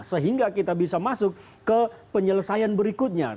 sehingga kita bisa masuk ke penyelesaian berikutnya